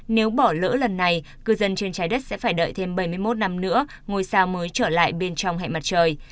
nếu bỏ lỡ lần này cư dân trên trái đất sẽ phải đợi thêm bảy mươi một năm nữa ngôi sao mới trở lại bên trong hệ mặt trời